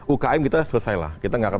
ukm kita selesailah kita nggak akan